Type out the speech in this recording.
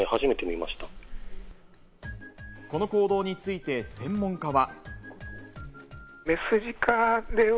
この行動について専門家は。